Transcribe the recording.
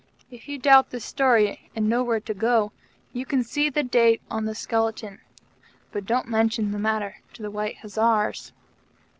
If you doubt this story, and know where to go, you can see the date on the skeleton. But don't mention the matter to the White Hussars.